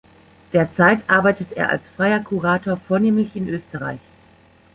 Derzeit arbeitet er als freier Kurator vornehmlich in Österreich.